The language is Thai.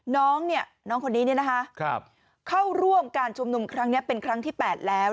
น้องเนี่ยน้องคนนี้เข้าร่วมการชุมนุมครั้งนี้เป็นครั้งที่๘แล้ว